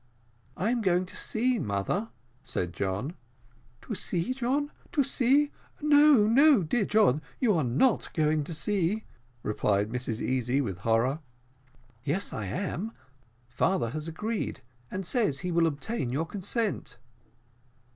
"I am going to sea, mother," said John. "To sea, John, to sea? no, no, dear John, you are not going to sea," replied Mrs Easy, with horror. "Yes, I am; father has agreed, and says he will obtain your consent."